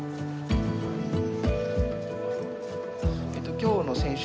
今日の選手